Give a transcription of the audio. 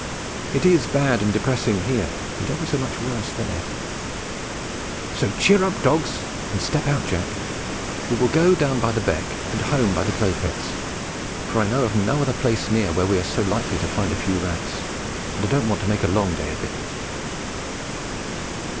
It is bad and depressing here, but ever so much worse there; so cheer up, dogs, and step out, Jack. We will go down by the beck and home by the clay pits, for I know of no other place near where we are so likely to find a few rats, and I don't want to make a long day of it.